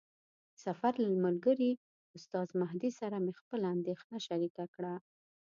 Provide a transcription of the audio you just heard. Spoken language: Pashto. د سفر له ملګري استاد مهدي سره مې خپله اندېښنه شریکه کړه.